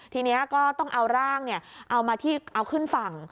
ทีนี้ก็ต้องเอาร่างเอาขึ้นฝั่ง